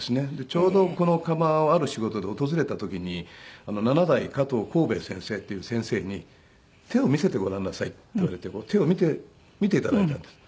ちょうどこの窯をある仕事で訪れた時に七代加藤幸兵衛先生っていう先生に「手を見せてごらんなさい」って言われて手を見て頂いたんです。